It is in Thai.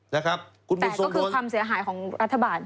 แต่ก็คือความเสียหายของรัฐบาล